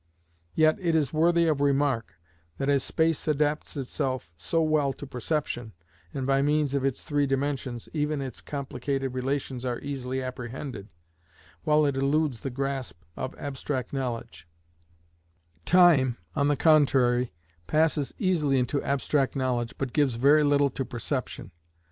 Yet it is worthy of remark, that as space adapts itself so well to perception, and by means of its three dimensions, even its complicated relations are easily apprehended, while it eludes the grasp of abstract knowledge; time, on the contrary, passes easily into abstract knowledge, but gives very little to perception.